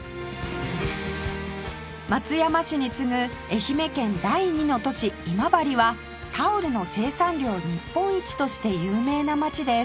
松山市に次ぐ愛媛県第２の都市今治はタオルの生産量日本一として有名な街です